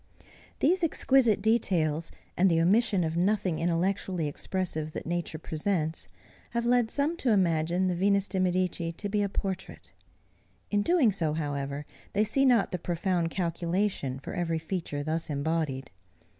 These exquisite details, and the omission of nothing intellectually expressive that nature presents, have led some to imagine the Venus de Medici to be a portrait. In doing so, however, they see not the profound calculation for every feature thus embodied.